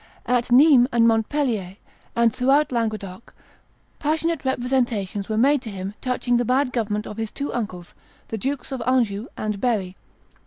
At Nimes and Montpellier, and throughout Languedoc, passionate representations were made to him touching the bad government of his two uncles, the Dukes of Anjou and Berry.